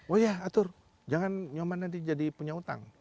oh ya atur jangan nyuman nanti jadi punya utang